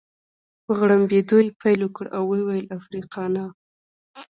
په غړمبېدو يې پیل وکړ او ويې ویل: افریقانا.